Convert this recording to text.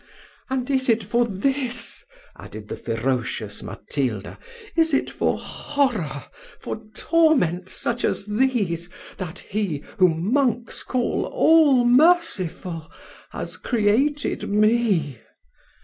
"And is it for this," added the ferocious Matilda "is it for horror, for torments such as these, that He, whom monks call all merciful, has created me?"